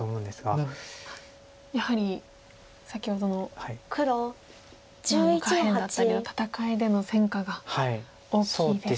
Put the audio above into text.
やはり先ほどの下辺だったりの戦いでの戦果が大きいですか。